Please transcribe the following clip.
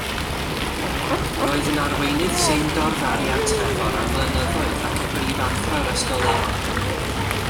Roedd yn arweinydd Seindorf Arian Trefor am flynyddoedd ac yn brifathro'r ysgol leol.